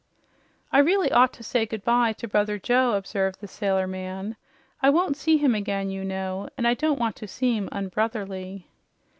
"I really ought to say goodbye to Brother Joe," observed the sailor man. "I won't see him again, you know, and I don't want to seem unbrotherly."